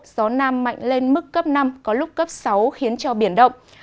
gió nam mạnh lên mức cấp năm có lúc cấp sáu khiến cho biển động